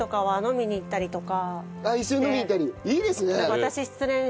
いいですね！